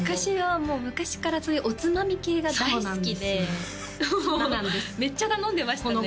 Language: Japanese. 昔からそういうおつまみ系が大好きでめっちゃ頼んでましたね